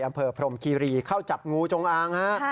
อำเภอพรมคีรีเข้าจับงูจงอางฮะ